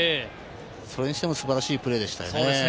それにしても素晴らしいプレーでしたよね。